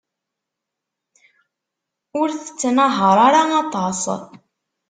Ur tettenhaṛ ara aṭas.